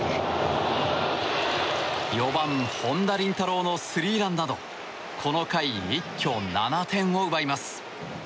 ４番、本田倫太郎のスリーランなどこの回、一挙７点を奪います。